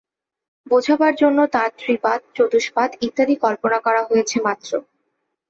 বোঝাবার জন্য তাঁর ত্রিপাদ, চতুষ্পাদ ইত্যাদি কল্পনা করা হয়েছে মাত্র।